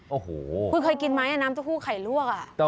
โอ้โหคุณเคยกินไหมน้ำเต้าหู้ไข่ลวก